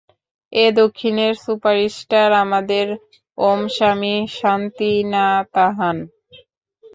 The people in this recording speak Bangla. ও দক্ষিনের সুপারস্টার আমাদের, ওমস্বামী শান্তিনাতাহান।